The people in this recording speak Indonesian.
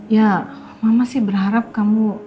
ya mama sih berharap kamu